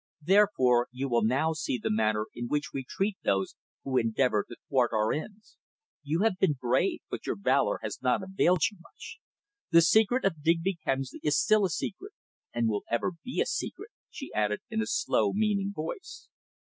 Therefore you will now see the manner in which we treat those who endeavour to thwart our ends. You have been brave, but your valour has not availed you much. The secret of Digby Kemsley is still a secret and will ever be a secret," she added in a slow, meaning voice.